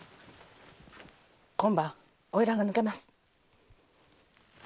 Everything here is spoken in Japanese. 今晩花魁が抜けます。